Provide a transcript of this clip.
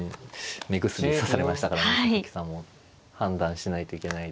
目薬さされましたからね佐々木さんも。判断しないといけないですね。